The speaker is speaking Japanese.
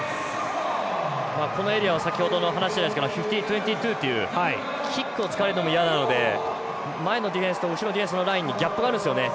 このエリアは先ほどの話ですがフィフティトゥウェンティツーっていうキックを使われても嫌なので前のディフェンスと後ろのディフェンスにギャップがあるんですよね。